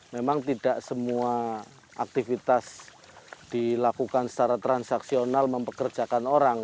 memang tidak semua aktivitas dilakukan secara transaksional mempekerjakan orang